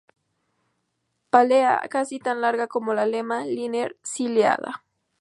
Pálea casi tan larga como la lema, linear, ciliada.